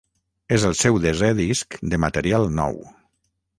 És el seu desè disc de material nou.